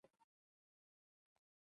د دغې ولسوالۍ شام ، کندو او ملیل څخه د